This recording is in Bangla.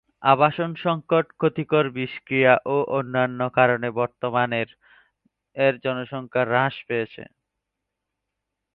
আবাসন সংকট, ক্ষতিকর বিষক্রিয়া ও অন্যান্য কারণে বর্তমান এর জনসংখ্যা হ্রাস পাচ্ছে।